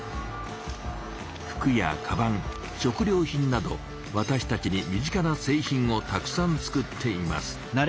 服やかばん食料品などわたしたちに身近なせい品をたくさん作っています。